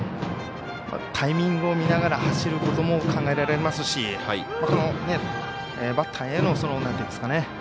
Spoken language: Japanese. タイミングを見ながら走ることも考えられますしバッターへの。